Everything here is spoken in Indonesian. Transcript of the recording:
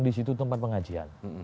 di situ tempat pengajian